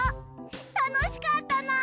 たのしかったな！